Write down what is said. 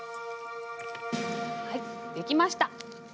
はい出来ました！